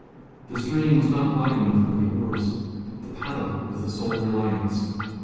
The stream was not wide enough for the oars; the paddle was the sole reliance.